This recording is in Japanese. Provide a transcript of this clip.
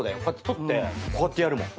撮ってこうやってやるもん。